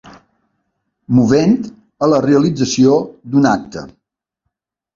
Movent a la realització d'un acte.